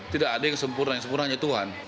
tidak ada yang sempurna yang sempurna hanya tuhan